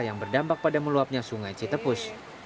yang berdampak pada meluapnya sungai citepus